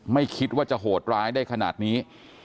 ไม่คิดว่าจะโหดร้ายได้ขนาดนี้